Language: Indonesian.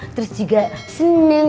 terus juga seneng